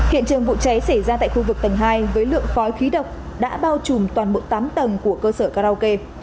hiện trường vụ cháy xảy ra tại khu vực tầng hai với lượng khói khí độc đã bao trùm toàn bộ tám tầng của cơ sở karaoke